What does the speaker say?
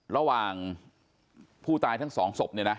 ระหว่างผู้ตายทั้งสองศพเนี่ยนะ